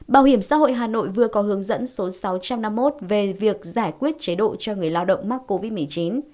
bảo hiểm xã hội hà nội vừa có hướng dẫn số sáu trăm năm mươi một về việc giải quyết chế độ cho người lao động mắc covid một mươi chín